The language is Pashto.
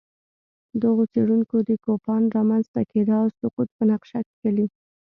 دغو څېړونکو د کوپان رامنځته کېدا او سقوط په نقشه کښلي